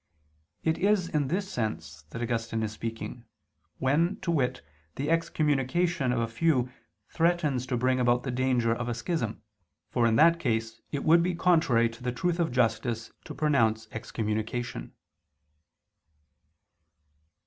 It is in this sense that Augustine is speaking, when, to wit, the excommunication of a few threatens to bring about the danger of a schism, for in that case it would be contrary to the truth of justice to pronounce excommunication.